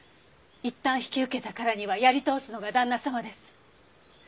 一旦引き受けたからにはやり通すのが旦那様です。